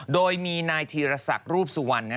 โดยมีนายธีรศักดิ์รูปสุวรรณ